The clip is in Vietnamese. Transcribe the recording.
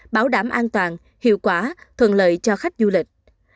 bảo đảm an toàn hiệu quả thuận lợi cho khách du lịch